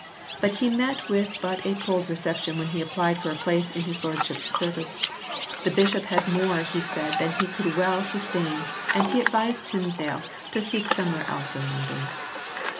But he met with but a cold reception when he applied for a place in his lordship s service. The bishop had more he said than he could well sustain and he advised Tyndale to seek somewhere else in London.